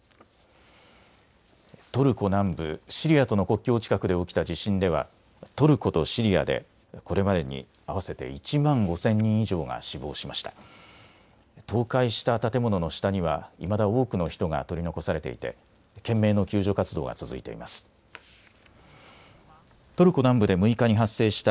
トルコ南部シリアとの国境近くで起きた地震ではトルコとシリアでこれまでに合わせて１万５０００人以上が死亡しました。